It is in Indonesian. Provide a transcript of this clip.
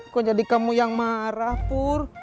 kok jadi kamu yang marah pur